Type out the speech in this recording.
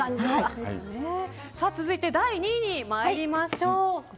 続いて第２位に参りましょう。